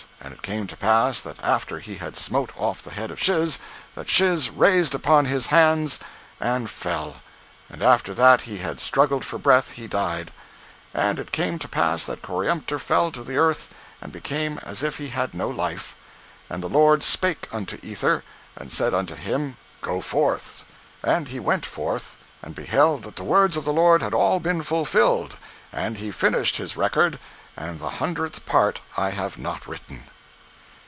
And it came to pass that after he had smote off the head of Shiz, that Shiz raised upon his hands and fell; and after that he had struggled for breath, he died. And it came to pass that Coriantumr fell to the earth, and became as if he had no life. And the Lord spake unto Ether, and said unto him, go forth. And he went forth, and beheld that the words of the Lord had all been fulfilled; and he finished his record; and the hundredth part I have not written.